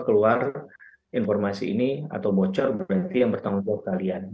keluar informasi ini atau bocor berarti yang bertanggung jawab kalian